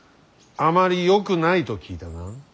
あまりよくないと聞いたが。